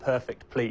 はい。